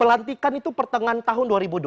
pelantikan itu pertengahan tahun dua ribu dua puluh